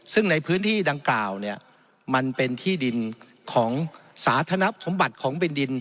ซึ่งในพื้นที่ดังกล่าวเนี่ยมันเป็นที่ดินของสาธนสมบัติของบินดิน